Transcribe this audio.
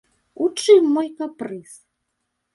У чым мой капрыз?